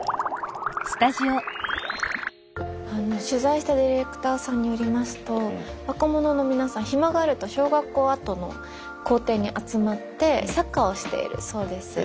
取材したディレクターさんによりますと若者の皆さん暇があると小学校跡の校庭に集まってサッカーをしているそうです。